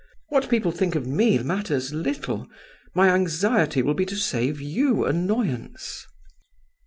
What people think of me matters little. My anxiety will be to save you annoyance."